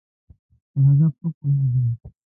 په هدف ښه پوهېږی.